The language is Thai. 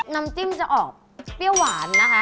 น้ำจิ้มจะออกเปรี้ยวหวานนะคะ